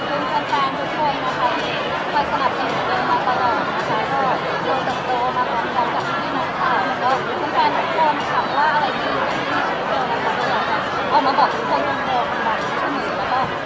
ก็ต้องการโทษมีชาวว่าอะไรก็อยู่อยากจะออกมาบอกพี่เจ้าทุกคน